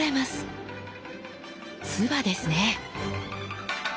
鐔ですね。